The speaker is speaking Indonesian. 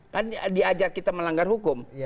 kan diajak kita melanggar hukum